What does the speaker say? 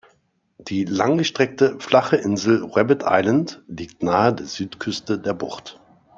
Die langgestreckte, flache Insel Rabbit Island liegt nahe der Südküste der Bucht.